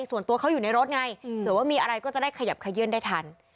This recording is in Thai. ส่วนตัวเขาอยู่ในรถไงเผื่อว่ามีอะไรก็จะได้ขยับขยื่นได้ทัน